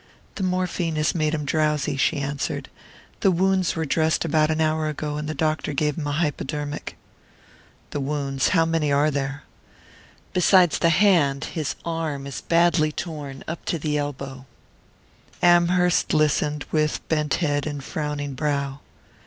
"The morphine has made him drowsy," she answered. "The wounds were dressed about an hour ago, and the doctor gave him a hypodermic." "The wounds how many are there?" "Besides the hand, his arm is badly torn up to the elbow." Amherst listened with bent head and frowning brow.